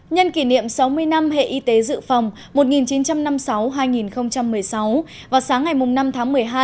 nhân kỷ niệm sáu mươi năm hệ y tế dự phòng một nghìn chín trăm năm mươi sáu hai nghìn một mươi sáu vào sáng ngày năm tháng một mươi hai